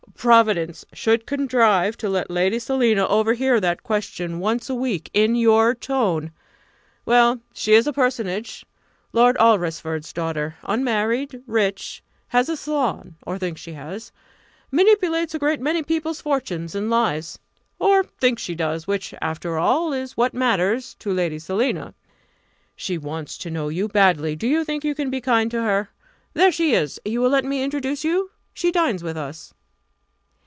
"Providence should contrive to let Lady Selina overhear that question once a week in your tone! Well, she is a personage Lord Alresford's daughter unmarried, rich, has a salon, or thinks she has manipulates a great many people's fortunes and lives, or thinks she does, which, after all, is what matters to Lady Selina. She wants to know you, badly. Do you think you can be kind to her? There she is you will let me introduce you? She dines with us."